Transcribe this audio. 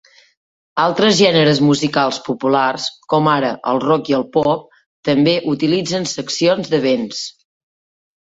Altres gèneres musicals populars, com ara el rock i el pop, també utilitzen seccions de vents.